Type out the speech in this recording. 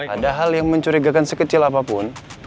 ada hal yang mencurigakan sekecil apapun